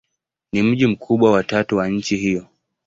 Ni mji mkubwa wa tatu wa nchi hiyo.